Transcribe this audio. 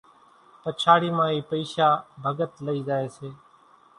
پچاڙِي مان اِي پئيشا ڀڳت لئِي زائيَ سي۔